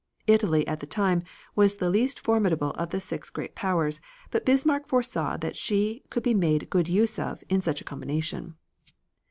Italy, at the time, was the least formidable of the six great powers, but Bismarck foresaw that she could be made good use of in such a combination.